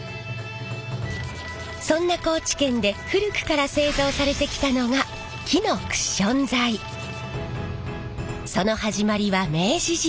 そんな高知県で古くから製造されてきたのがその始まりは明治時代。